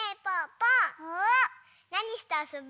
なにしてあそぶ？